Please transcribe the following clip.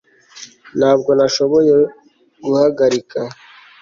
Ntabwo nashoboye guhagarika